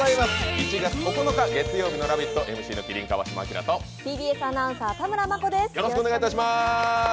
１月９日月曜日の「ラヴィット！」、ＭＣの麒麟・川島明とＴＢＳアナウンサー田村真子です。